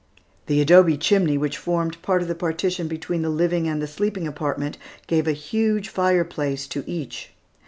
The adobe chimney, which formed part of the partition between the living and the sleeping apartment, gave a huge fireplace to each.